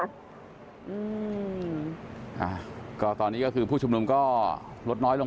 ไม่สามารถบันทับทิศทางของลมได้ลมก็เข้าไปอ่า